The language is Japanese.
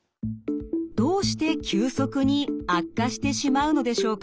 どうして急速に悪化してしまうのでしょうか。